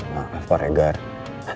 maaf pak regan